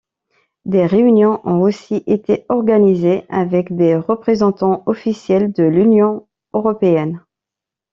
Des réunions ont aussi été organisées avec des représentants officiels de l'Union européenne.